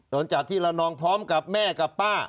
โดนจับที่ละนองพร้อมกับแม่กับป้า